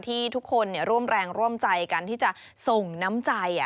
ที่ทุกคนร่วมแรงร่วมใจกันที่จะส่งน้ำใจ